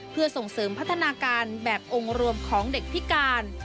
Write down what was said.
เพื่อส่งเสริมพัฒนาการแบบองค์รวมของเด็กพิการ